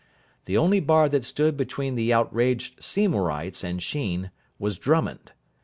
The only bar that stood between the outraged Seymourites and Sheen was Drummond.